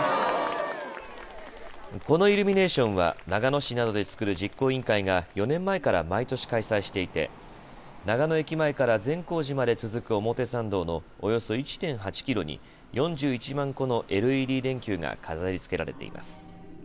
このイルミネーションは長野市などで作る実行委員会が４年前から毎年開催していて長野駅前から善光寺まで続く表参道のおよそ１．８キロに４１万個のＬＥＤ電球が飾りつけられています。